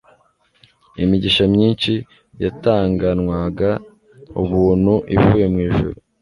Imigisha myinshi yatanganwaga ubuntu ivuye mu ijuru